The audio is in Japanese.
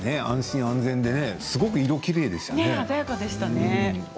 安心安全で色がきれいでしたね。